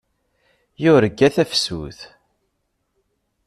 Yurga tafsut.